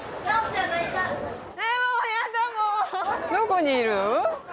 どこにいる？